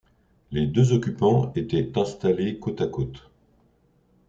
Les deux occupants étaient installés côte à côte.